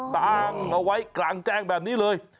ตั้งเอาไว้กลางแจ้งแบบนี้เลย